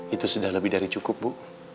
itu sudah lebih dari cukup bu